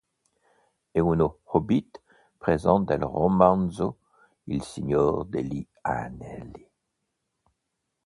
È uno Hobbit presente nel romanzo "Il Signore degli Anelli".